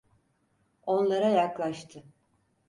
Onlara yaklaştı.